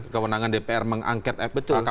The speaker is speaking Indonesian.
kewenangan dpr mengangket kpk